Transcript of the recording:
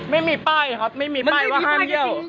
ไม่มีป้ายครับไม่มีป้ายว่าห้ามเยี่ยว